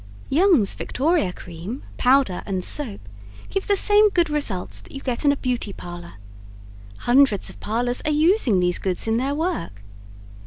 Young's Victoria Cream, Powder and Soap give the same good results that you get in a beauty parlor. Hundreds of parlors are using these goods in their work.